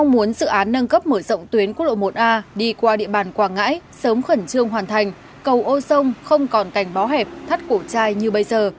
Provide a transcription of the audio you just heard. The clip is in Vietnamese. muốn dự án nâng cấp mở rộng tuyến quốc lộ một a đi qua địa bàn quảng ngãi sớm khẩn trương hoàn thành cầu ô sông không còn cảnh bó hẹp thắt cổ chai như bây giờ